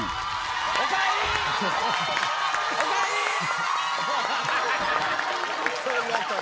おかえり。